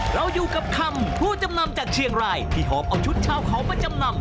เราอยู่กับคำผู้จำนำจากเชียงรายที่หอบเอาชุดชาวเขามาจำนำ